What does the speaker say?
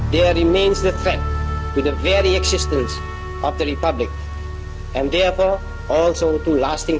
dengan ibu menyatakan kemerdekaan indonesia yang terjadi tujuh belas agustus seribu sembilan ratus empat puluh lima